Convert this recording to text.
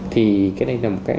thì cái này là một cái